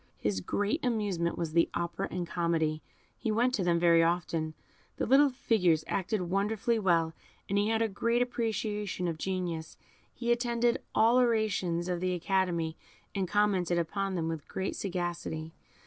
His great amusement was the opera and comedy; he went to them very often: the little figures acted wonderfully well, and as he had a great appreciation of genius, he attended all orations of the Academy, and commented upon them with great sagacity.